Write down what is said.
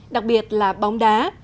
đặc biệt là bóng đá